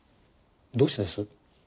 どうしてです？